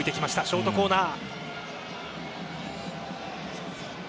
ショートコーナー。